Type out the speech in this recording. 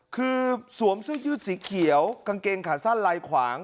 คือสวมเสื้อยืดสีเขียวกางเกงขาสั้นลายขวาง